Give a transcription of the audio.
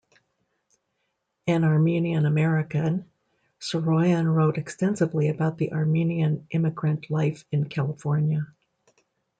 An Armenian American, Saroyan wrote extensively about the Armenian immigrant life in California.